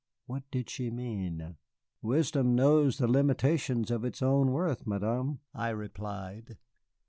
What did she mean? "Wisdom knows the limitations of its own worth, Madame," I replied.